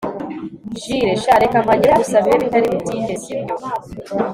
Jule sha reka mpagere gusa bibe bitari butinde Sibyo